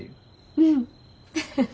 うん。